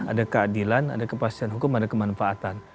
ada keadilan ada kepastian hukum ada kemanfaatan